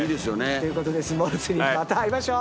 っていうことで『スモール３！』また会いましょう。